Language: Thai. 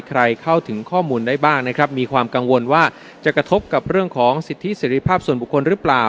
ใครเข้าถึงข้อมูลได้บ้างนะครับมีความกังวลว่าจะกระทบกับเรื่องของสิทธิเสร็จภาพส่วนบุคคลหรือเปล่า